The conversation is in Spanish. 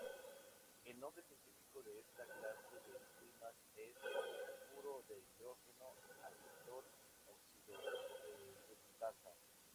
El nombre sistemático de esta clase de enzimas es sulfuro-de-hidrógeno:aceptor oxidorreductasa.